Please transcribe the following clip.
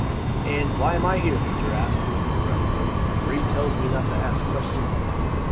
"And why am I here?" Victor asked, looking round the room. "Marie tells me not to ask questions."